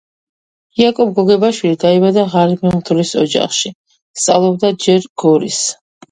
იაკობ გოგებაშვილი დაიბადა ღარიბი მღვდლის ოჯახში. სწავლობდა ჯერ გორის,